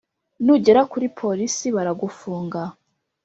nugera kuri police baragufunga